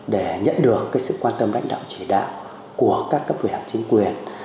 để nhận được cái sự quan tâm lãnh đạo chỉ đạo của các cấp quyền chính quyền